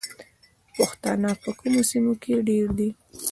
پښتانه په کومو سیمو کې ډیر دي؟